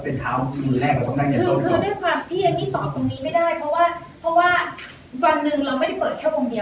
เป็นเท้าคนแรกกับช่วงแรกเนี่ยคือคือด้วยความที่เอมมี่ตอบตรงนี้ไม่ได้เพราะว่าเพราะว่าวันหนึ่งเราไม่ได้เปิดแค่วงเดียว